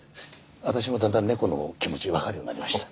私もだんだん猫の気持ちわかるようになりました。